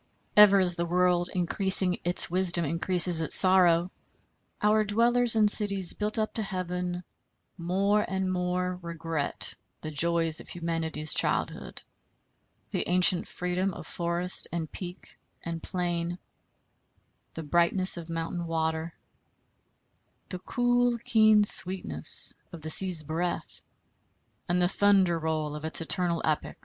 Ever as the world increasing its wisdom increases its sorrow, our dwellers in cities built up to heaven more and more regret the joys of humanity's childhood, the ancient freedom of forest and peak and plain, the brightness of mountain water, the cool keen sweetness of the sea's breath and the thunder roll of its eternal epic.